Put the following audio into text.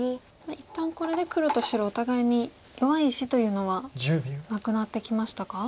一旦これで黒と白お互いに弱い石というのはなくなってきましたか？